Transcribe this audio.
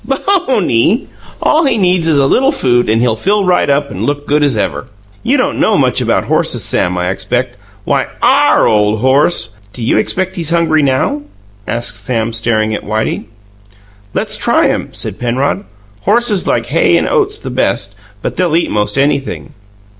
"Bony! All he needs is a little food and he'll fill right up and look good as ever. You don't know much about horses, Sam, I expect. Why, OUR ole horse " "Do you expect he's hungry now?" asked Sam, staring at Whitey. "Let's try him," said Penrod. "Horses like hay and oats the best; but they'll eat most anything."